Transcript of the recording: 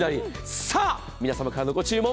さあ、皆様からのご注文